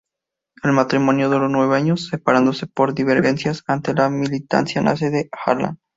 El matrimonio duró nueve años, separándose por divergencias ante la militancia nazi de Harlan.